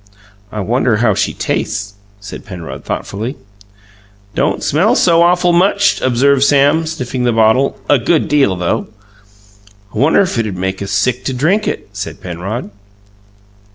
"I wonder how she tastes?" said Penrod thoughtfully. "Don't smell so awful much," observed Sam, sniffing the bottle "a good deal, though!" "I wonder if it'd make us sick to drink it?" said Penrod.